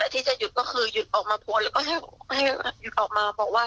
แล้วที่จะหยุดก็คือหยุดออกมาพูดหรือก็ให้หยุดออกมาบอกว่า